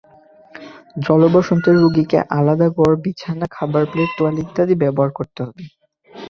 জলবসন্তের রোগীকে আলাদা ঘর, বিছানা, খাবার প্লেট, তোয়ালে ইত্যাদি ব্যবহার করতে হবে।